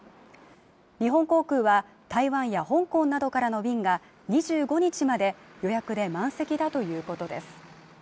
日本航空は台湾や香港などからの便が２５日まで予約で満席だということです